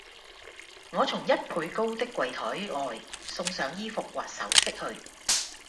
我從一倍高的櫃臺外送上衣服或首飾去，